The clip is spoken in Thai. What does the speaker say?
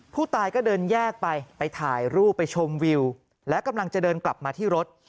ผู้ตายก็เดินแยกไปไปถ่ายรูปไปชมวิวและกำลังจะเดินกลับมาที่รถ